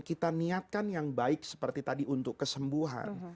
kita niatkan yang baik seperti tadi untuk kesembuhan